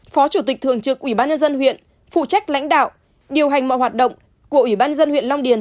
phó chủ tịch thường trực ủy ban nhân dân huyện phụ trách lãnh đạo điều hành mọi hoạt động của ủy ban dân huyện long điền